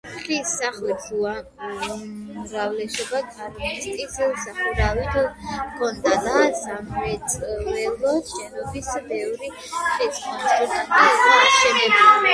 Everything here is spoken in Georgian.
ხის სახლების უმრავლესობას კრამიტის სახურავი ჰქონდა და სამრეწველო შენობებიდან ბევრი ხის კონსტრუქციით იყო აშენებული.